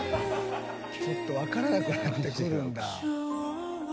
ちょっと分からなくなってくるんだ。